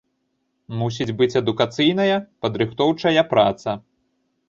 Мусіць быць адукацыйная, падрыхтоўчая праца.